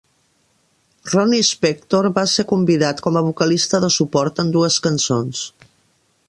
Ronnie Spector va ser convidat com a vocalista de suport en dues cançons.